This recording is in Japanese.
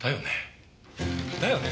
だよね。